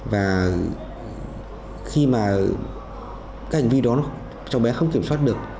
và khi mà các hành vi đó cho bé không kiểm soát được